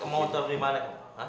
kamu mau taruh di mana